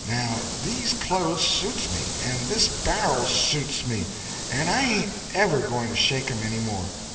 Now these clothes suits me, and this bar'l suits me, and I ain't ever going to shake 'em any more.